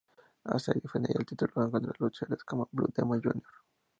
Asai defendería el título contra luchadores como Blue Demon, Jr.